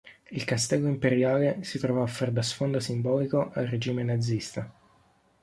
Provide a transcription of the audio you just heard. Il Castello Imperiale si trovò a far da sfondo simbolico al regime nazista.